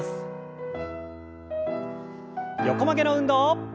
横曲げの運動。